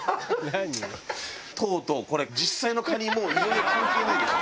とうとうこれ実際の蟹もういよいよ関係ないでしょ。